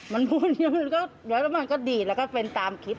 มันพูดอย่างนี้แล้วมันก็ดีดแล้วก็เป็นตามคิด